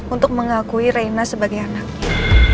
untuk mengakui raina sebagai anaknya